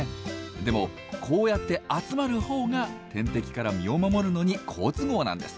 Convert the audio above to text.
でもこうやって集まるほうが天敵から身を守るのに好都合なんです。